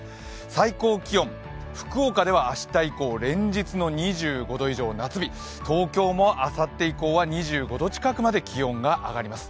最高気温、福岡では明日以降連日の２５度以上、夏日、東京も、あさって以降は２５度近くまで気温が上がります。